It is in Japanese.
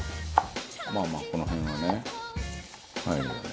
まあまあこの辺はね入るよね」